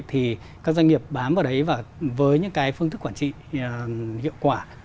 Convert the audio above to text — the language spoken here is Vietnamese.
thì các doanh nghiệp bám vào đấy và với những cái phương thức quản trị hiệu quả